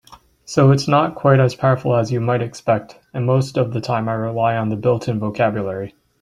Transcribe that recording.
So it's not quite as powerful as you might expect, and most of the time I rely on the built-in vocabulary.